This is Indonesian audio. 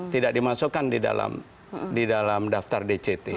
tidak dimasukkan di dalam daftar dct